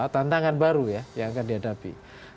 tantangan baru ya yang akan dihadapi